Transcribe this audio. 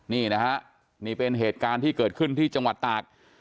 นี่นะฮะนี่เป็นเหตุการณ์ที่เกิดขึ้นที่จังหวัดตาก